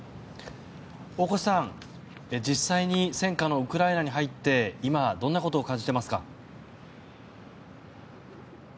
大越さん、実際に戦火のウクライナに入って今、どんなことを感じていますか？